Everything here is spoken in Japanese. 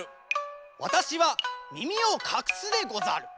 わたしはみみをかくすでござる。